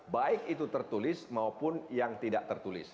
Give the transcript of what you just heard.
baik itu tertulis maupun yang tidak tertulis